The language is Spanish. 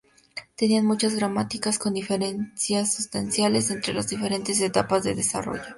Tenían muchas gramáticas con diferencias sustanciales entre las diferentes etapas de desarrollo.